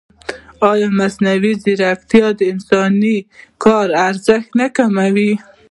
ایا مصنوعي ځیرکتیا د انساني کار ارزښت نه کموي؟